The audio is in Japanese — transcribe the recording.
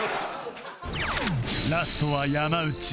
ラストは山内